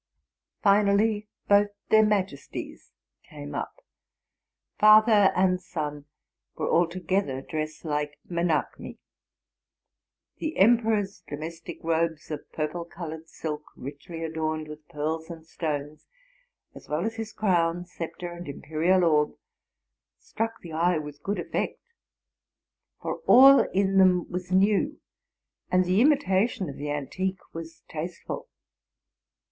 Finally both their majesties came up. Father and son were altogether dressed like Menzchmi. The emperor's domestie robes, of purple colored silk, richly adorned with pearls and stones, as well as his crown, sceptre, and impe rial orb, struck the eye with good effect. For all in them was new, and the imitation of the antique was tasteful.